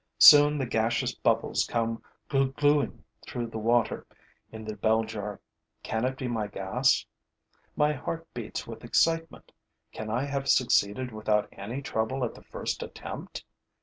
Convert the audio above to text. Soon the gaseous bubbles come "gloo glooing" through the water in the bell jar. Can it be my gas? My heart beats with excitement. Can I have succeeded without any trouble at the first attempt?